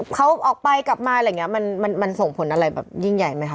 เขาออกไปกลับมาอะไรอย่างนี้มันส่งผลอะไรแบบยิ่งใหญ่ไหมค